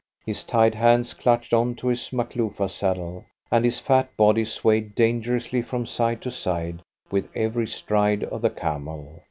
His tied hands clutched on to his Makloofa saddle, and his fat body swayed dangerously from side to side with every stride of the camel.